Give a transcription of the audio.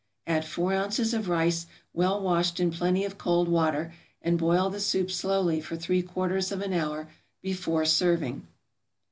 Add four ounces of rice, well washed in plenty of cold water, and boil the soup slowly for three quarters of an hour before serving.